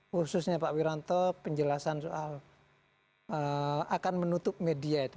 khususnya pak wiranto penjelasan soal akan menutup media itu